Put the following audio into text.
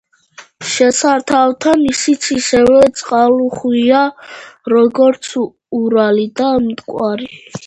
შესართავთან ისიც ისევე წყალუხვია, როგორც ურალი და მტკვარი.